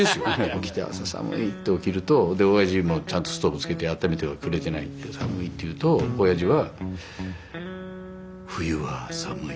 起きて朝寒いって起きるとでおやじちゃんとストーブつけてあっためてはくれてないんで寒いって言うとおやじは「冬は寒い」